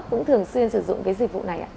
cũng thường xuyên sử dụng cái dịch vụ này